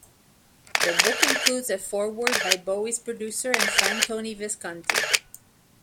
The book includes a foreword by Bowie's producer and friend Tony Visconti.